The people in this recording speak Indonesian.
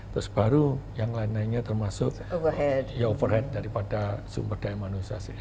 terus baru yang lain lainnya termasuk ya overhead daripada sumber daya manusia